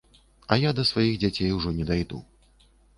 А я да сваіх дзяцей ужо не дайду.